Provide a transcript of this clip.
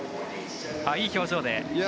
いい表情ですね。